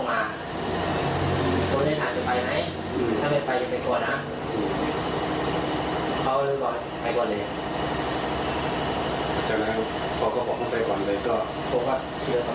จากนั้นเขาก็บอกเขาไปก่อนเลย